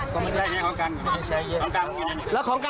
คืนเขานะครับ